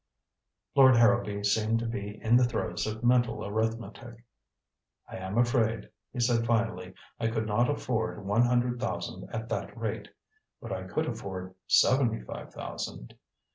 Lord Harrowby seemed to be in the throes of mental arithmetic. "I am afraid," he said finally, "I could not afford one hundred thousand at that rate. But I could afford seventy five thousand.